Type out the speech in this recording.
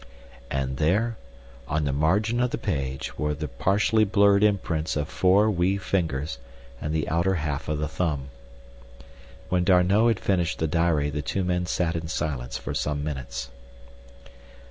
And there, on the margin of the page, were the partially blurred imprints of four wee fingers and the outer half of the thumb. When D'Arnot had finished the diary the two men sat in silence for some minutes.